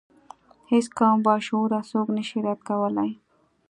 هیڅ کوم باشعوره څوک نشي رد کولای.